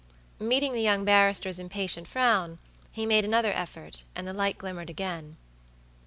Meeting the young barrister's impatient frown, he made another effort, and the light glimmered again.